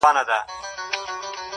د ژوند رنګونه له لیدلوري بدلېږي’